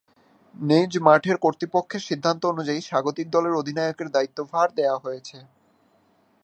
নিজ মাঠের কর্তৃপক্ষের সিদ্ধান্ত অনুযায়ী স্বাগতিক দলের অধিনায়কের দায়িত্বভার দেয়া হয়েছে।